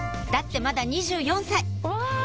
だってまだ２４歳！